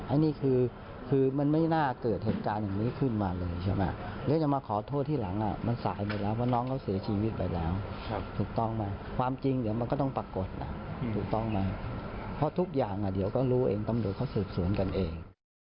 อันนี้คือมันไม่น่าเกิดเหตุการณ์อย่างนี้ขึ้นมาเลยใช่ไหมหรือจะมาขอโทษที่หลังมันสายหมดแล้วว่าน้องเขาเสียชีวิตไปแล้วถูกต้องไหมความจริงเดี๋ยวมันก็ต้องปรากฏถูกต้องไหมเพราะทุกอย่างเดี๋ยวก็รู้เองตำรวจเขาสืบสวนกันเอง